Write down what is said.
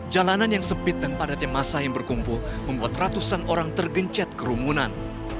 jalanan yang sempit dan padatnya masa yang berkumpul membuat ratusan orang tergencet kerumunan